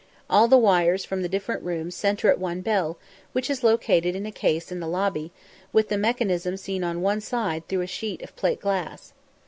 All the wires from the different rooms centre at one bell, which is located in a case in the lobby, with the mechanism seen on one side through a sheet of plate glass.